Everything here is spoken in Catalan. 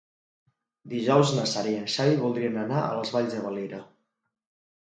Dijous na Sara i en Xavi voldrien anar a les Valls de Valira.